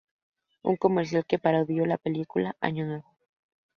Un comercial que parodia la película "Año Nuevo".